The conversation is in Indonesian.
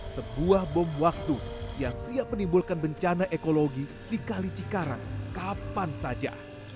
sebuah bom waktu yang siap menimbulkan bencana ekologi di kali cikarang kapan saja